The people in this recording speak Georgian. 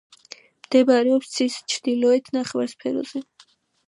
მდებარეობს ცის ჩრდილოეთ ნახევარსფეროზე.